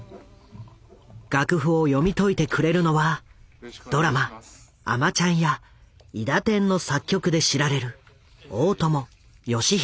楽譜を読み解いてくれるのはドラマ「あまちゃん」や「いだてん」の作曲で知られる大友良英。